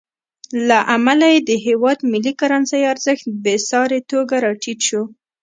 له امله یې د هېواد ملي کرنسۍ ارزښت بېساري توګه راټیټ شو.